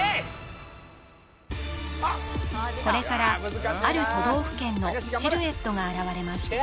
これからある都道府県のシルエットが現れます